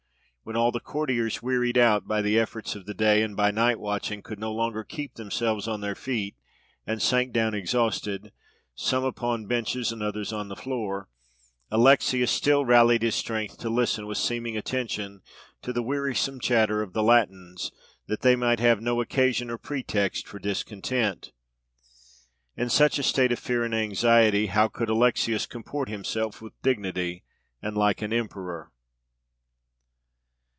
When all the courtiers, wearied out by the efforts of the day and by night watching, could no longer keep themselves on their feet, and sank down exhausted some upon benches and others on the floor Alexius still rallied his strength to listen with seeming attention to the wearisome chatter of the Latins, that they might have no occasion or pretext for discontent. In such a state of fear and anxiety, how could Alexius comport himself with dignity and like an emperor?"